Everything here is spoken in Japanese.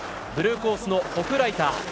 ブルーコースのホフライター。